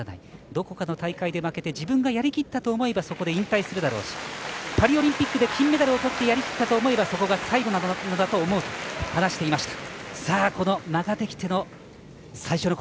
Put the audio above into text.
どこかの大会で負けて自分がやりきったと思えばそこで引退するだろうしパリオリンピックで金メダルをとってやりきればそこが最後なのだと思うと話していました。